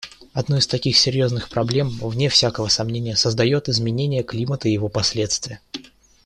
Одну из таких серьезных проблем, вне всякого сомнения, создает изменение климата и его последствия.